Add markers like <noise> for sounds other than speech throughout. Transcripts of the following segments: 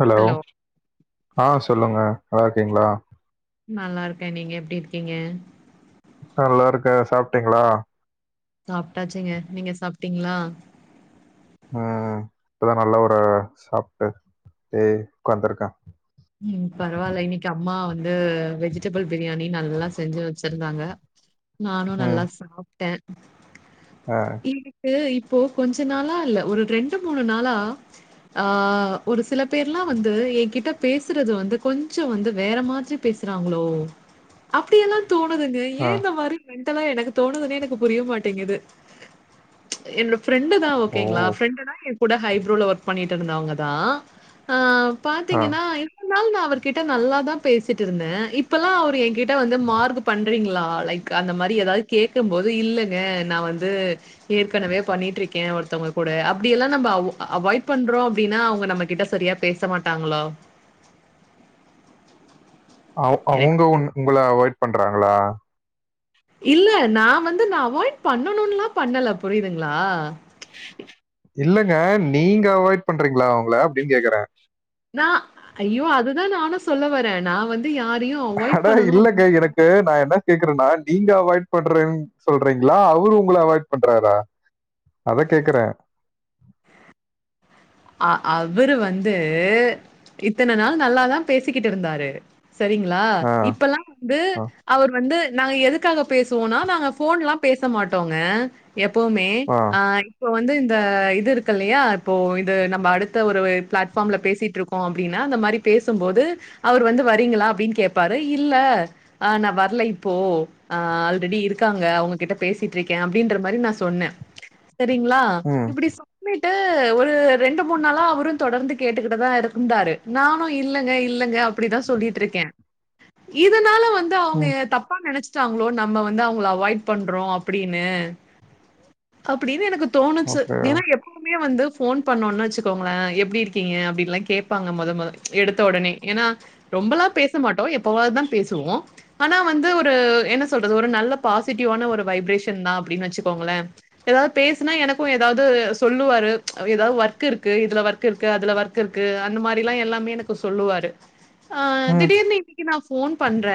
Hello ஆ சொல்லுங்க நல்லா இருக்கீங்களா நல்லா இருக்கே நீங்க எப்டி இருக்கீங்க நல்லா இருக்கே சாப்ட்டீங்களா சாப்ட்டாச்சுங்க நீங்க சாப்ட்டீங்களா ம் ம் இப்பதா நல்ல ஒரு சாப்ட்டு அப்டியே உக்காந்திருக்கே ம் பரவால்ல இன்னிக்கி அம்மா வந்து வெஜிடபிள் பிரியாணி நல்லா செஞ்சு வெச்சிருந்தாங்க நானு ம் நல்லா சாப்ட்டே ஆ எனக்கு இப்போ கொஞ்ச நாளா இல்ல ஒரு ரெண்டு மூணு நாளா ஆ ஒரு சில பேர்லா வந்து என் கிட்ட பேசுறது வந்து கொஞ்சோ வந்து வேற மாதிரி பேசுறாங்களோ அப்டியெல்லா தோணுதுங்க ஆ ஏ இந்த மாரி மெண்டலா எனக்கு தோணுதுன்னே எனக்கு புரிய மாட்டேங்குது என்னோட ஃப்ரெண்டு தா ஓ ஓகேங்களா ஃப்ரெண்டு தா எ கூட ஹைப்ரோல ஒர்க் பண்ணிட்டு இருந்தவங்க தா ஆ ஆ பாத்தீங்கின்னா இவ்ளோ நாளு நா அவர்கிட்ட நல்லாதா பேசிட்டுருந்தே இப்பல்லா அவரு என்கிட்ட வந்து மார்கு பண்றீங்கிளா லைக் அந்த மாரி எதாவது கேக்கம் போது இல்லங்க நா வந்து ஏற்கனவே பண்ணிட்டுருக்கே ஒருத்தவங்க கூட அப்டியல்லா நம்ப அவ் அவாய்ட் பண்றோ அப்டின்னா அவங்க நம்ம கிட்ட சரியா பேச மாட்டாங்களோ அவ் எனக்கு அவுங்க உன் உங்கள அவாய்ட் பண்றாங்களா இல்ல நா வந்து நா அவாய்ட் பண்ணணுன்லா பண்ணல புரியுதுங்களா இல்லங்க நீங்க அவாய்ட் பண்றீங்கிளா அவுங்கள அப்டின் கேக்கற நா அய்யோ அதுதா நானு சொல்ல வரே நா வந் து யாரையு அட இல்லங்க எனக்கு நா என்ன கேக்கறனா நீங்க அவாய்ட் பண்றலேன் சொல்றீங்களா அவரு உங்கள அவாய்ட் பண்றாரா அத கேக்கற ஆ அவரு வந்து இத்தன நாள் நல்லாதா பேசிக்கிட்டு இருந்தாரு சரிங்கிளா ஆ இப்பல்லா வந்து ஆ அவரு வந்து நாங்க எதுக்காக பேசுவோனா நாங்க ஃபோன்லா பேச மாட்டோங்க எப்பவுமே ஆ இப்போ வந்து இந்த இது இருக்குல்லையா இப்போ இது நம்ப அடுத்த ஒரு பிளாட்ஃபாம்ல பேசிட்டு இருக்கோ அப்டின்னா அந்த மாரி பேசும்போது அவரு வந்து வரீங்களா அப்டின்னா கேப்பாரு இல்ல ஆ நா வரல இப்போ ஆ ஆல்ரெடி இருக்காங்க அவங்ககிட்ட பேசிட்டிருக்கே அப்டின்ற மாரி நா சொன்ன செரிங்ளா ம் இப்டி சொல்லிட்டு ஒரு ரெண்டு மூணு நாளா அவரும் தொடர்ந்து கேட்டுக்கிட்டுதா இருந்தாரு நானு இல்லங்க இல்லங்க அப் அப்டிதா சொல்லிட்ருக்கே இதனால வந்து அவுங்க ம் தப்பா நெனச்சி ச்சாங்ளோ நம்ம வந்து அவுங்கள அவாய்ட் பண்றோ அப்டின்னு அப்டின்னு எனக்கு தோணுச்சி ஓகே ஏனா எப்பவுமே வந்து ஃபோன் பன்னோன்னு வச்சிகோங்களே எப்டி இருக்கீங்க அப்டின்ல்லா கேப்பாங்க மொத மொத எடுத்த ஒடனே ஏனா ரொம்பலா பேச மாட்டோ எப்பவாதா பேசுவோ ஆனா வந்து ஒரு என்ன சொல்றது ஒரு நல்ல பாசிட்டிவ்வான ஒரு வைப்ரேஷன்தா அப்டின் வச்சிக்கோங்களே எதாவது பேசனா எனக்கும் எதாவது சொல்லுவாரு எதா ஒர்க் இருக்கு இதுல வர்க் இருக்கு அதுல வர்க் இருக்கு அந்த மாரில்லா எல்லாமே எனக்கு சொல்லுவாரு ஆ ம் திடீர்னு இன்னைக்கி நா ஃபோன் பண்ற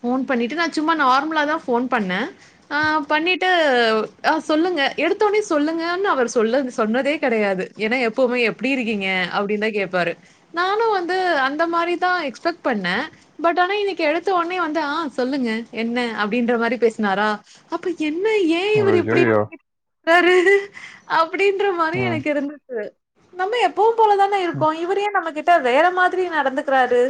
ஃபோன் பண்ணிட்டு நா சும்மா நார்மலாதா ஃபோன் பண்ண ஆ பண்ணிட்டு ஆ சொல்லுங்க எடுத்தொன்னே சொல்லுங்கன்னு அவர் சொல்ல சொன்னதே கெடையாது ஏனா எப்பவுமே எப்டி இருக்கீங்க அப்டின்தா கேப்பாரு நானு வந்து அந்த மாரிதா எக்ஸ்பட் பண்ண பட் ஆனா இன்னைக்கி எடுத்தவொன்னே வந்து ஆ சொல்லுங்க என்ன அப்டின்ற மாரி பேசனாரா அப்ப என்ன ஏ ஏ இவரு இப்டி ஐயய்யோ! நம்ம கிட்ட றாரு அப்டின்ற மாரி ம் எனக்கு இருந்துச்சி நம்ம எப்பவும் போலதான ம் இருக்கோ இவரு ஏன் நம்ம கிட்ட வேறமாதிரி நடந்துகிறாரு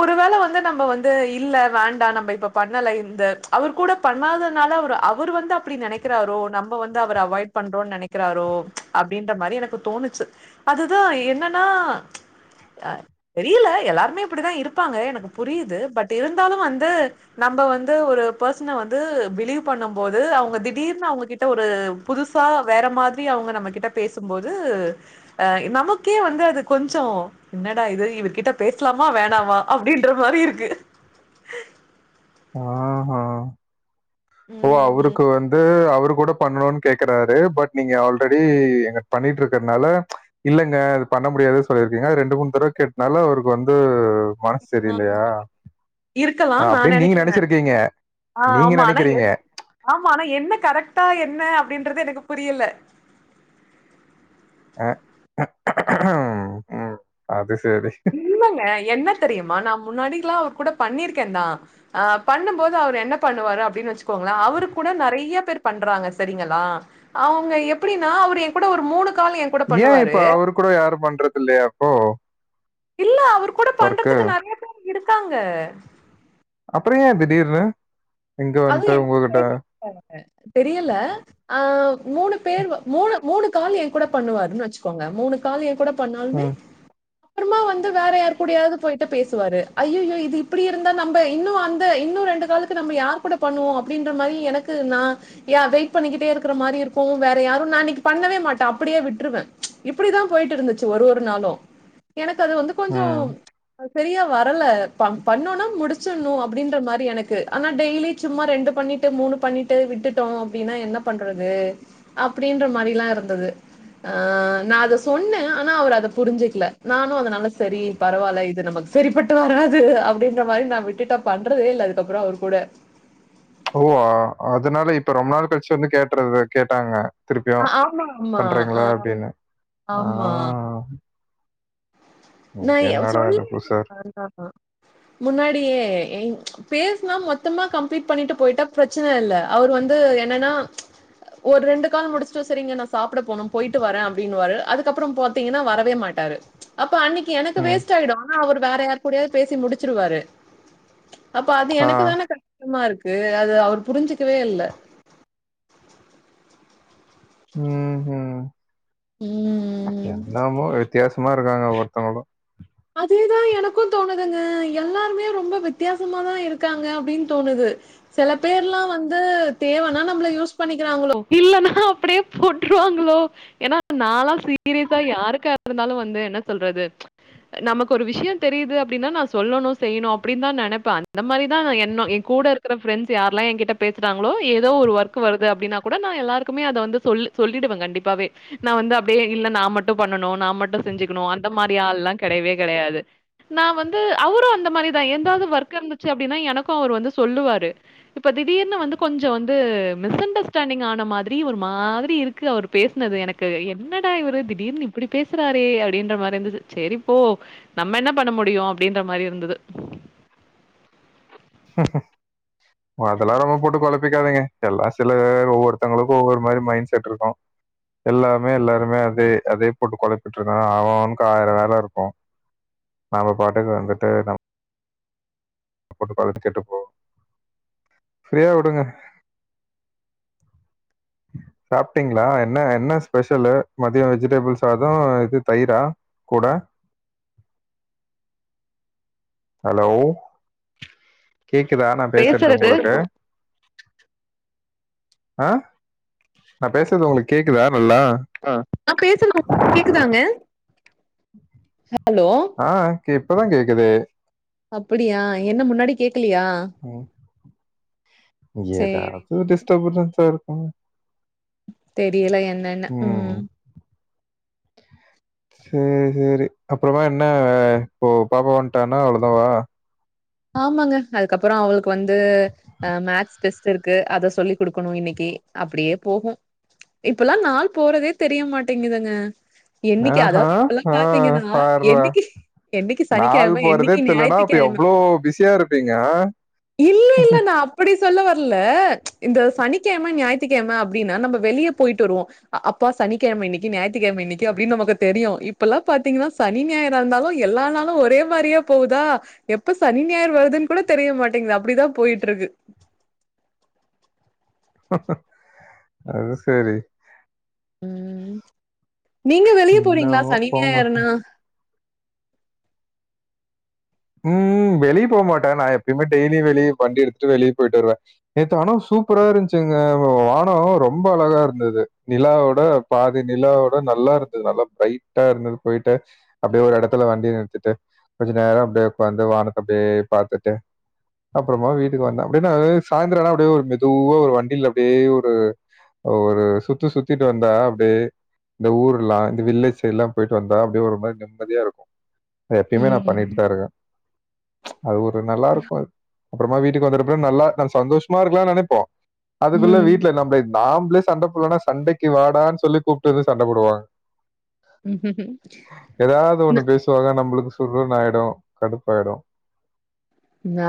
ஒரு வேள வந்து நம்ம வந்து இல்ல வேண்டா நம்ப இப்ப பண்ணல இந்த அவர் கூட பண்ணாதனால அவரு அவரு வந்து அப்டி நெனக்கிறாரோ நம்ப வந்து அவர அவாய்ட் பண்றோ நெனைக் கிறாரோ அப்டின்ற மாரி எனக்கு தோணுச்சி அதுதா என்னன்னா அ தெரியல எல்லாருமே இப்டிதா இருப்பாங்க எனக்கு புரியிது பட் இருந்தாலு வந்து நம்ப வந்து ஒரு பெர்சன வந்து பிலீவ் பண்ணம் போது அவுங்க திடீர்னு அவுங்ககிட்ட ஒரு புதுசா வேற மாதிரி அவுங்க நம்ம கிட்ட பேசும்போது ஆ நமக்கே வந்து அது கொஞ்சோ என்னடா இது இவர் கிட்ட பேஸ்லாமா வேணாமா அப்டின்ற மாரி இருக்கு ஆ அ ஓ ம் அவருக்கு வந் து அவரு கூட பண்னுன் கேக்கறாரு பட் நீங்க ஆல்ரெடி எங்க பண்ணிட்ருக்கறனால இல்லங்க அது பண்ண முடியாது சொல்லிருக்கீங்க அது ரெண்டு மூணு தடவ கேட்னால அவருக்கு வந்து மனசு சரி இல்லயா இருக்கலா நா நனைக்கிற ஆ நீங்க ஆமா ஆனா நெனைக்கிறீங்க. எது ஆமா ஆனா என்ன கரெக்ட்டா என்ன அப்டின்றது எனக்கு புரியல அ ம் அது சரி இல்லங்க என்ன தெரியுமா நா முன்னாடில்லா அவர் கூட பண்ணிருக்கேந்தா அ பண்ணும்போது அவரு என்ன பண்ணுவாரு அப்டின் வச்சுக்கோங்களே அவரு கூட நறைய பேர் பண்றாங்க சரிங்களா அவுங்க எப்புடின்னா அவரு எ கூட ஒரு மூணு காலு எ ஏ இப்ப அவரு கூட யாரு பண்றதுல்லயா போ இல்ல அவரு கூட பண்றதுக்கு நறைய பேர் இருக்காங்க அப்பற ஏ திடீர்னு இங்க அதும் வந்துட்டு எனக்கு உங்ககிட்ட? தெரியல தெரியல ஆ மூணு பேரு மூணு மூணு கால் எ கூட பண்ணுவாருன்னு வச்சுக்கோங்க மூணு காலு ஏ கூட பண்ணாலுமே ம். அப்றமா வந்து வேற யார் கூடயாது போய்ட்டு பேசுவாரு ஐய்யய்யோ இது இப்டி இருந்தா நம்ப இன்னு அந்த இன்னு ரெண்டு காலுக்கு நம்ம யார் கூட பண்ணுவோ அப்டின்ற மாரி எனக்கு நா யா வெயிட் பண்ணிக்கிட்டே இருக்கற மாரி இருக்கு வேற யாரு நா இன்னைக்கி பண்ணவே மாட்டே அப்புடியே விட்டுருவ இப்டிதா போயிட்டு இருந்துச்சு ஒரு ஒரு நாளு எனக்கு அது வந்து கொஞ்சோ ம். சரியா வரல ப பண்ணோனா முடிச்சுணு அப்டின்ற மாரி எனக்கு ஆனா டெய்லி சும்மா ரெண்டு பண்ணிட்டு மூணு பண்ணிட்டு விட்டுட்டோ அப்டின்னா என்ன பண்றது அப்டின்ற மாரிலா இருந்தது ஆ நா அத சொன்ன ஆனா அவர் அத புரிச்சுக்கல நானு அதுனால செரி பரவால்ல இது நமக்கு சரிப்பட்டு வராது அப்டின்ற மாரி நா விட்டுட்ட பண்றதே இல்ல அதுக்கப்றோ அவர் கூட ஓவ அதுனால இப்ப ரொம்ப நாள் கழிச்சு வந்து கேட்றது கேட்டாங்க திருப்பியு ஆ ஆமா ஆமா ஆ பண்றிங்களா அப்டின்னு ஆ ஆமா நா இது எ என்னடா சொல்லி இது புதுசா இரு <unintelligible> முன்னாடியே பேஸ்னா மொத்தமா கம்ப்லிட் பண்ணிட்டு போயிட்டா பிரச் பிரச்சன இல்ல அவரு வந்து என்னன்னா ஒரு ரெண்டுகால் முடிச்சுட்டு செரிங்க நா சாப்ட போனு போயிட்டு வர அப்டின்னுவாரு அதுக்கப்றோ பாத்தீங்கன்னா வரவே மாட்டாரு அப்ப அன்னிக்கு எனக்கு ம். வேஸ்ட் ஆயிடு ஆனா அவர் வேற யாரு கூடயாவது பேசி முடிச்சிருவாரு அப்ப அது ஆ. எனக்கு தான கஷ்டமா இருக்கு அது அவர் புரிஞ்சிக்கவே இல்ல ம் ஹு ம் என்னமோ வித்தியாசமா இருக்காங்க ஒருத்தவங்களு அதேதா எனக்கு தோணுதுங்க எல்லாருமே ரொம்ப வித்தியாசமாதா இருக்காங்க அப்டின்னு தோணுது சில பேர்லா வந்து தேவனா நம்மள யூஸ் பண்ணிக்கிறாங்களோ இல்லனா அப்டியே போட்ருவாங்களோ ஏன்னா நாலா சீரியஸா யாருக்கா இருந்தாலு வந்து என்ன சொல்றது நமக்கு ஒரு விஷயோ தெரியுது அப்டின்னா நா சொல்லணு செய்யணு அப்டின்னு தா நெனைப்ப அந்த மாரிதா என்னோ எ கூட ருக்குர ஃபிரண்ட்ஸ் யார்ல்லா எங்கிட்ட பேசுறாங்களோ எதோ ஒரு ஒர்க் வருது அப்டினா கூட நா எல்லாருக்குமே அத வந்து சொல் சொல்லிடுவ கண்டிப்பாவே நா வந்து அப்டே இல்ல நா மட்டு பண்ணணு நா மட்டு செஞ்சிக்கணு அந்த மாரி ஆள்ளா கடையவே கடையாது நா வந்து அவரு அந்த மாரிதா எதாவது ஒர்க் இருந்துச்சு அப்டின்னா எனக்கு அவரு வந்து சொல்லுவாரு இப்ப திடீர்னு வந்து கொஞ்சோ வந்து மிஸ் அண்டர்ஸ்டாண்டிங் ஆன மாதிரி ஒரு மாதிரி இரு க்கு அவர் பேசுனது எனக்கு என்னடா இவர் திடீர்னு இப்டி பேசுறாரே அப்டின்ற மாரி இருந்துது செரி ஒ நம்ம என்ன பண்ண முடியு அப்டின்ற மாரி இருந்துது ஹு ஹு அதெல்லா ரொம்ப போட்டு கொழப்பிக்காதிங்க எல்லா சில ஒவ்வருத்தவங்குளுக் ஒவ்வொரு மாரி மைண்ட் செட் இருக்கு எல்லாமே எல்லாருமே அதே அதே போட்டு கொழப்பிட் இருக்காங்க அவ அவனுக்கு ஆய்ரோ வேல இருக்கு நாம பாட்டுக்கு வந்துட்டு நம் போட்டு கொழப்பிகிட் இருக்கோ சேர் வுடுங்க சாப்டிங்ளா என்ன என்ன ஸ்பெசலு மதியோ வெஜிடபிள் சாதோ இது தயிரா கூட ஹலோ கேக்குதா நா நாங்க பேசற்து பேசுறது உங்குளுக்கு பேசுறது ஆ நா பேசற்து உங்குளுக் கேக்குதா நல்லா நா பேசற் <inaudible> உங்குளுக் கேக்குதாங்க ஹலோ ஆ கே இப்பதா கேக்குது அப்பிடியா என்ன முன்னாடி கேக்கிலியா ம் இங்க சரி ஏதாவது டிஸ்டபரன்ஸா இருக்கு தெரியில என்னன்னு ம் சேர் சேரி அப்றோமா என்ன இப்போ பாப்பா வன்ட்டானா அவ்ளோதாவா ஆமாங்க அதுக்கப்றோ அவுளுக் வந்து அ மேக்ஸ் டெஸ்ட் இருக்கு அத சொல்லி குடுக்குணு இன்னிக்கு அப்டியே போகு இப்பல்லா நாள் போறதே தெரியமாட்டேங்கிதுங்க ஆ ஆ அ பார்ரா என்னைக்கு என்னைக்கு நாள் சனிக்கிழமை, போறதே என்னைக்கு தெர்லனா அப்ப ஞாயித்துக்கிழமை எவ்ளோ பிஸியா இருப்பீங்க அ இல்லில்ல நா அப் அப்டி சொல்ல வர்ல இந்த சனிக்கிழம ஞாயித்துக்கிழம அப்டின்னா நம்ம வெளியே போயிட்டு வருவோ அப்பா சனிக்கிழமை இன்னிக்கு ஞாயிற்றுக்கிழமை இன்னிக்கு அப்டின் நமக்கு தெரியு இப்பல்லா பாத்தீங்கன்னா சனிஞாயிரா இருந்தாலு எல்லா நாளு ஒரே மாரியே போகுதா எப்ப சனி ஞாயர் வருதுன் கூட தெரிய மாட்டேங்குது அப்டிதா போயிட்ருக்கு அது சேரி ம் நீங்க வெளியே போறீங்களா என்னவோ சனி போங்க. ஞாயிருனா ம் வெளியே போ மாட்டே நா எப்பயுமே டெய்லி வெளியே வண்டி எடுதுட்டு வெளியே போயிட்டு வருவே நேத்து ஆனா சூப்பரா இருன்ச்சுங்க வ்வானோ ரொம்ப அழகா இருந்தது நிலாவ்வட பாதி நிலாவோட நல்லா இருந்தத் நல்லா பிரைட்டா இருந்தத் போய்ட்டு அப்டியே ஒரு எடத்துல வண்டி நிறுத்திட்டு கொஞ்ச நேரோ அப்டியே உக்காந்து வானத்த அப்டியே பாத்துட்டு அப்புறமா வீட்டுக்கு வந்த அப்டினா அ சாய்ந்தரனா அப்டியே ஒரு மெதுவா ஒரு வண்டியில அப்டியே ஒரு ஒரு சுத்து சுத்திட்டு வந்தா அப்டியே இந்த ஊர்லா இந்த வில்லேஜ் சைட்லா போய்ட்டு வந்தா அப்டியே ஒரு மாறி நிம்மதியாருக்கு அ எப்புயுமே நா ம். பண்ணிட்தா இருக்க அது ஒரு நல்லாருக்கு அப்புறமா அத் வீட்டுக்கு வந்ததப்றோ நல்லா நம் சந்தோஷமா இருக்கலான் நெனைப்போ அதுக்குள்ள ம். வீட்ல நம்ளை நாம்ளே சண்ட போடலனா சண்டைக்கு வாடான் சொல்லி கூப்ட்டு வந்து சண்ட போடுவாங் ம் ம் ம் ஏதாவது ஒண்ணு பேசுவாங்க நம்ளுக் சுர்ருன் ஆயிடு கடுப்பாயிடு நா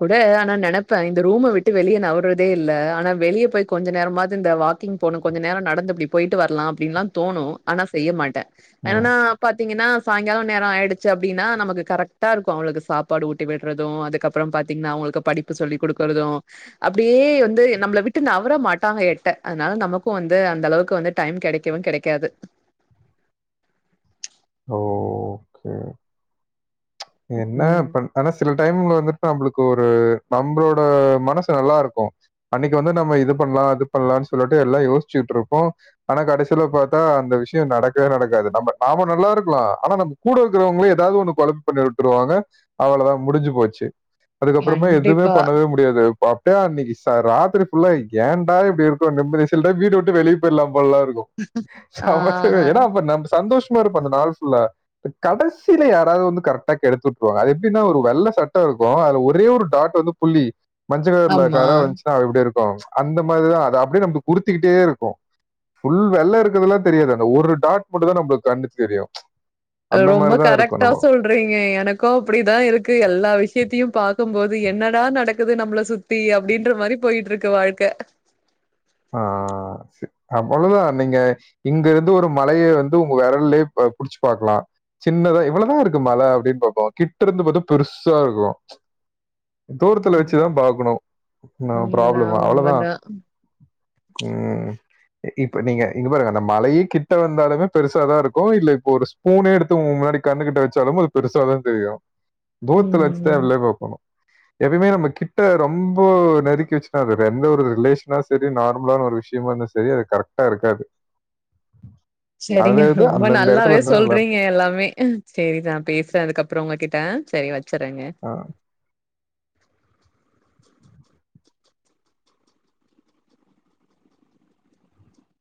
கூட ஆனா நெனப்பே இந்த ரூம விட்டு வெளியே நவ்றதே இல்ல ஆனா வெளியே போயி கொஞ்ச நேரமாவது இந்த வாக்கிங் போணு கொஞ்ச நேர நடந்து இப்டி போயிட்டு வர்லா அப்டின்ல்லா தோணு ஆனா செய்ய மாட்ட ம். என்னன்னாப் பாத்தீங்கனா சாயங்காலோ நேரோ ஆயிடுச்சு அப்டினா நமக்கு கரெக்டா இருக்கு அவுளுக் சாப்பாடு ஊட்டி விட் றது அதுக்கப்புறோ பாத்தீங்கனா அவுகுளுக்கு படிப்பு சொல்லி குடுக்குறதூ அப்டியே வந்து நம்மள விட்டு நவர மாட்டாங்க எட்ட அத்னால நமக்கு வந்து அந்த அளவுக்கு வந்து டைம் கெடைக்கவு கெடைக்காது ஓக்கே ம். என்னப்பன் ஆனா சில டைம்ல வந்துட் நம்மளுக்கு ஒரு நம்மளோட மனசு நல்லா இருக்கு அன்னிக்கு வந்து நம்ம இது பண்ணலா இது பண்ணலான் சொல்லிட்டு எல்லா யோசிச்சுட்டு இருப்போ ஆனா கடைசியில பாத்தா அந்த விஷயோ நடக்கவே நடக்காது நம்ம நாம நல்லா இருக்கலா ஆனா நம் கூட இருக்கிறவங்களே ஏதாவது ஒண்ணு கொழப் பண்ணி விட்டுருவாங்க அவள்தா முடிஞ்சி போச்சி அதுக்கப்புறமா எதுவுமே கண்டிப்பா. பண்ணவே மு டியாது ப்ப அப்டியே அன்னிக்கி செர ராத்திரி புல்லா ஏண்டா இப்டி இருக்குன்னு நிம் சில்டைம் வீட்ட விட்டு வெளி போயிர்லாம் போலலா இருக்கும் ஆ <unintelligible> ஏன்னா அப்ப நம் சந்தோஷ் மா இருப்போ அந்த நாள் ஃபுல்லா கடைசில யாராவது வந்து கரெட் ட்டா கெடுத்துட்டுருவாங்க அது எப்டின்னா ஒரு வெள்ள சட்ட இருக்கு அதுல ஒரே ஒரு டாட் வந்து புள்ளி மஞ்ச கலர்ல ஆமா. கர வந்துச்சுன்னா அது எப்டி இருக்கு அந்த மாரிதா அது அப்டியே நமக்கு உறுத்திக்கிட்டே இருக்கு ஃபுல் வெள்ள இருக்கறதுலா தெரியாது அந்த ஒரு டாட் மட்டுந் நம்புளுக்கு கண்ணக்கு தெரியு அ ரொம்ப கரெக்டா சொல் சொல்றீங்க எனக்கு அப்டிதா இருக்கு எல்லா விஷயத்தையு பாக்கும்போது என்னடா நடக்குது நம்மள சுத் தி அப்டின்ற மாரி போயிட்டு இருக்கு வாழ்க்க ஆ அவ்வளோதா நீங்க இங்க இருந்து ஒரு மலைய வந்து உங்க வெரல்லயே புடிச்சு பாக்கலா சின்னதா இவ்ளோதா இருக்கு மல அப்டின்னு பாப்போ கிட்ட இருந்து பாத்தா பெருசா இருக்கு தூரத்துல வெச்சுதா ம். பாக்கணு அ உண்மதான், ப்ராப்ளம்ம அவ்ளோதா உண்மதான். ம் இப்ப நீங்க இங்க பாருங்க அந்த மலையே கிட்ட வந்தாலுமே பெருசாதா இருக்கு இல்ல இப்போ ஒரு ஸ்பூனே எடுத்து உன் முன்னாடி கு கிட்ட வெச்சாலு அது பெருசாதா தெரியு தூர்த்துல வெச்சுத ம். உள்ளேபாப்பாங்கோ எப்பயுமே நம் கிட்ட ரொம்ப நெருக்கி வெச்சுனா அது எந்த ஒரு ரிலேஷனா செரி நார்மலான ஒரு விஷயமா இந்தா செரி அது கரெக்டா இருக்காது அது செரிங்க அது ரொம்ப அந்தந்த இடத்துல நல்லாவே இருந்தா சொல்றீங்க நல்லாருக்கும். எல்லாமே செரி நா பேசுறே அதுக்கப்புறோ உங்ககிட்ட செரி வெச்சிறேங்க ஆ